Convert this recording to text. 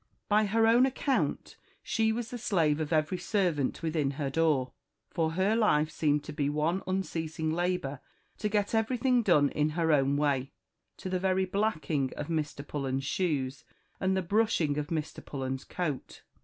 By her own account she was the slave of every servant within her door, for her life seemed to be one unceasing labour to get everything done in her own way, to the very blacking of Mr. Pullens's shoes, and the brushing of Mr. Pullens's coat.